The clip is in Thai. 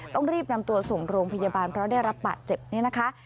ต้องรีบนำตัวส่งโรงพยาบาลเพราะได้รับบาดเจ็บนี่นะคะ